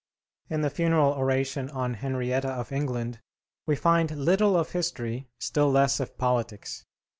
In the funeral oration on Henrietta of England we find little of history, still less of politics.